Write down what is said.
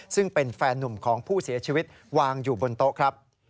ซึ่งเป็นแฟนนุ่มของผู้เสียชีวิตวางอยู่บนโต๊ะครับ